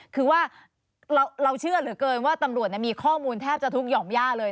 คือว่าเราเชื่อเหลือเกินว่าตำรวจมีข้อมูลแทบจะทุกห่อมย่าเลย